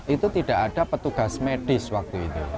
itu tidak ada petugas medis waktu itu